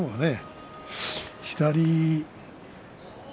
左。